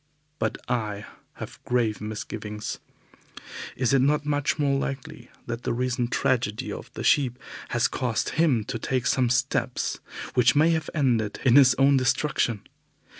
But I have grave misgivings. Is it not much more likely that the recent tragedy of the sheep has caused him to take some steps which may have ended in his own destruction?